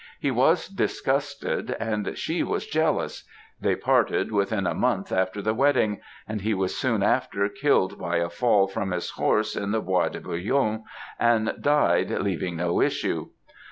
He was disgusted and she was jealous; they parted within a month after the wedding, and he was soon after killed by a fall from his horse in the Bois de Boulogne, and died, leaving no issue.